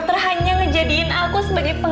berarti setiap aku deg degan